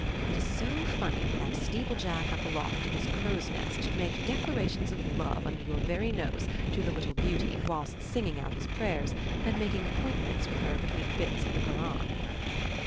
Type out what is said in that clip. It is so funny for that steeplejack up aloft in his crow's nest to make declarations of love under your very nose to the little beauty whilst singing out his prayers, and making appointments with her between bits of the Koran."